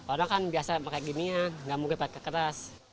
orang kan biasa pakai gini ya enggak mungkin pakai kertas